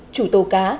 chủ tàu cá